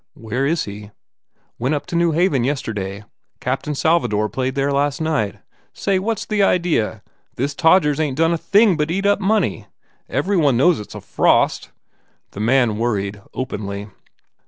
"Where is he?" "Went up to New Haven yesterday. Cap tain Salvador played there last night. Say, what s the idea? This Todgers ain t done a thing but eat up money. Every one knows it s a frost!" The man worried openly.